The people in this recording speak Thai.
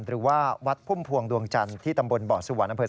หรือว่าวัดพุ่มพวงดวงจันทร์ที่ตำบลบ่อสวรรค์อำเภอ